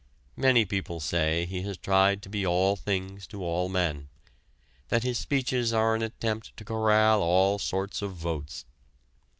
Many people say he has tried to be all things to all men that his speeches are an attempt to corral all sorts of votes.